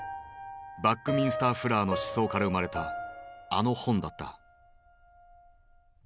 バックミンスター・フラーの思想から生まれたあの本だった。